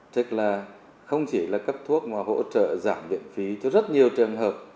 chức là không chỉ là cấp thuốc mà hỗ trợ giảm miễn phí cho rất nhiều trường hợp